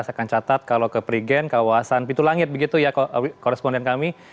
saya akan catat kalau ke prigen kawasan pintu langit begitu ya koresponden kami